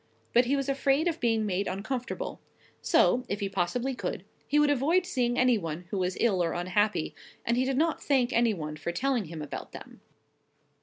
But he was afraid of being made uncomfortable; so, if he possibly could, he would avoid seeing any one who was ill or unhappy; and he did not thank any one for telling him about them.